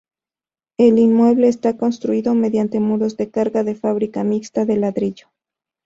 El inmueble está construido mediante muros de carga de fábrica mixta de ladrillo.